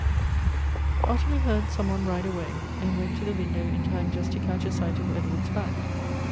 OTTILIE heard some one ride away, and went to the window in time just to catch a sight of Edward's back.